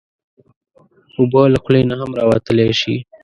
اوبه له خولې نه هم راوتلی شي.